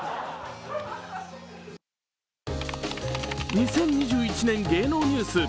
２０２１年芸能ニュース。